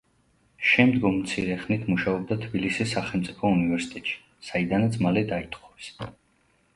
შემდგომ მცირე ხნით მუშაობდა თბილისის სახელმწიფო უნივერსიტეტში, საიდანაც მალე დაითხოვეს.